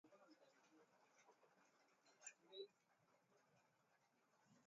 Mwinyi mwenye miaka hamsini na tatu ni kijana mwenye nguvu